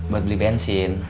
buat beli bensin